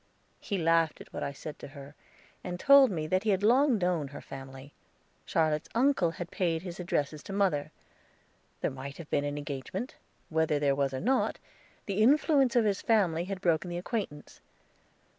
He laughed at what I said to her, and told me that he had long known her family. Charlotte's uncle had paid his addresses to mother. There might have been an engagement; whether there was or not, the influence of his family had broken the acquaintance.